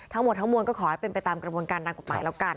ทั้งหมดทั้งมวลก็ขอให้เป็นไปตามกระบวนการทางกฎหมายแล้วกัน